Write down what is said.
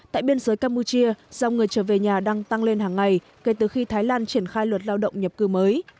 tại biên giới campuchia dòng người trở về nhà đang tăng lên hàng ngày kể từ khi thái lan triển khai luật lao động nhập cư mới